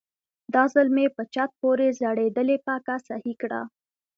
دا ځل مې په چت پورې ځړېدلې پکه سهي کړه.